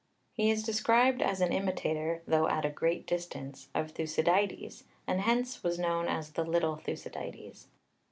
He is described as an imitator, though at a great distance, of Thucydides, and hence was known as "the little Thucydides."